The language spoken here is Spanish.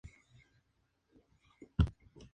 Heródoto no menciona ese episodio.